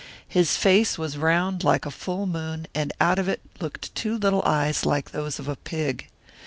His face was round like a full moon, and out of it looked two little eyes like those of a pig.